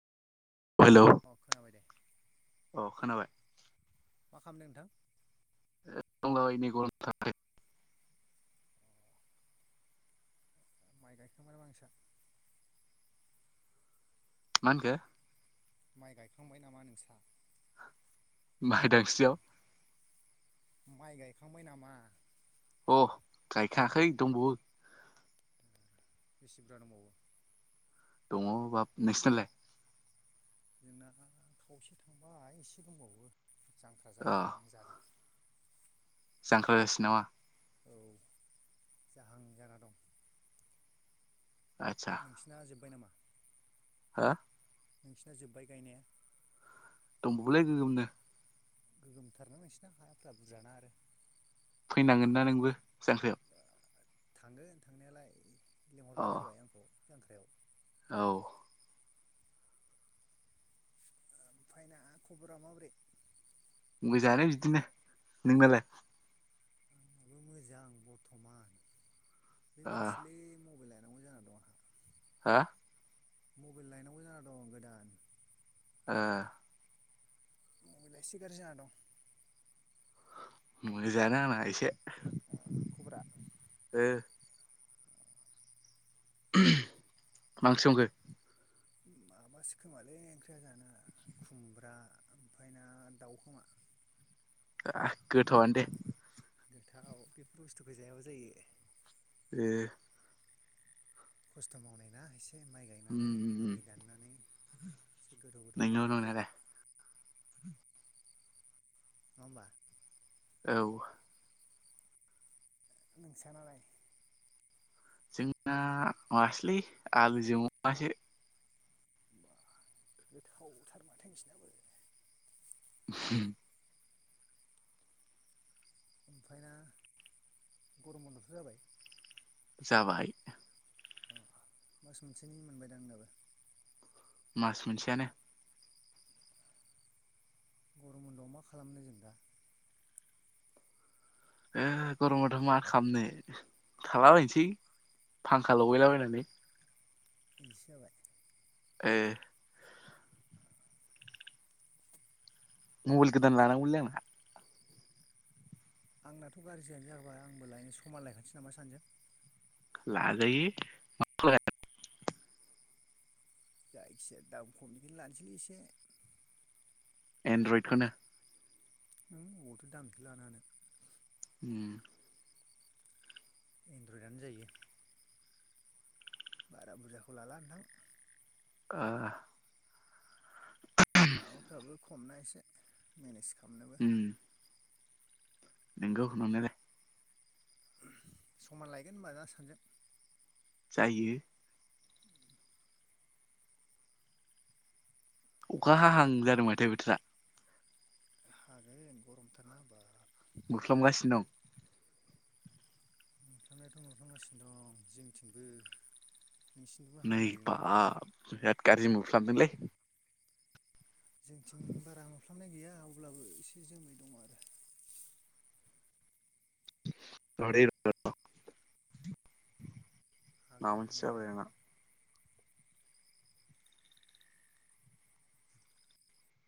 हेल' अ खोनाबाय दे अ खोनाबाय। मा खालामदों नोंथां? [inaudible] माइ गायखां बाय नामा नोंसा माहोनखो माइ गायखांबाय नामा नोंसा मायदांस्रियाव माइ गायखांबाय नामा? अ गायखाङाखै दंबवो बेसे बुरजा दंबावो दङ बाब नोंसनालाय जोंना खावसे थांबाय एसे दंबावो जांख्रा अ जाहां जादों जांख्रा जासिगोन नामा? औ जाहां जाना दं नोंसिना जोब्बाय नामा? हा नोंसिना जोब्बाय गायनाया दंबयोलै गोगोमनो गोगोमथारना नसोरना हायाफ्रा बुरजाना आरो फैनांगोन ना नोंबो जांख्रियाव थांगोन थांनायालाय अ लिंहरबानो जाबाय आंखौ जांख्रायाव औ ओमफ्राय ना खबरा माब्रै मोजांनो बिदिनो नोंनालाय हाबो मोजां बर्थमान बे ओ मोनसेलै मबाइल आ थनांगौ जाना दं आंहा हा मबाइल लायनांगौ जाना दं गोदान ए मबेला एसे गारजि जाना दं मोजांनो आंना इसे खब्रा ओ मा ओंख्रि संखो माबा सो खोमालै ओंख्रिया जाना खुमब्रा ओमफ्राय ना दाउखोमा आ गोथावानोदे गोथाव बेफोर बुस्थुखौ जायाबा जायो ओ खस्थ' मावनाय ना इसे हम हम हम एसे गोथाव गोथाव जानांगौ जायो नङा होमबा औ नोंसा नालाय जोंना मासलै आलुजों अमासो होनबा गोथावथार माथो नोंसनाबो। [unintelligible] ओमफ्राय ना गरम बन्द' थ' जाबाय। जाबाय अ मास मोनसेनि मोनबायदां नोंनाबो? मास मोनसेयानो गरम उन्दआव मा खालामनो जों दा? ओ गरमावथ' मा खालामनो थालाबायायनोसै। फांखा लगैलाबायनानै इसाय जाबाय। ए मबेल गोदन लानांगौलै आंहा आंनाथ' गाज्रि जयानो जागोबा आंबो लायनो समान लायखानोसै नामा सानजों? ला जायो [unintelligible] जायखिजाया दाम खमनिदिनो लानोसैलै एसे एन्ड्रइड खोनो। ओं अबावथ' दामसो लानो हानो। उम। एन्ड्रइडआनो जायो। बारा बुरजाखौ लाला नोंथां। ओ। माबाफ्राबो खमना एसे मेनेज खालामो उम नोंगौ नंनायालाय समान लायगोन होनोमबा दा सानजों जायो। अखा हाहां जादों माथो बोथोरा हागोन गरमथार ना बा? मोख्लोमगासिनो दं। मोनुफ्लांनायाथ' मोनफ्लगासिनो दं जोंथिंबो नोंसिनिथिंबो हानो नै नागिरदों बा नामा बिराद गाज्रि मोफ्लामदोंलै। जोंथिं बारा मोनफ्लाबनाय गैया अब्लाबो एसे जोमै दङ आरो। र' दे र' माबा हागोन मोनसे हानायालाय जाबय आंना